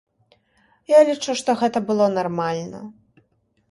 Я лічу, што гэта было нармальна.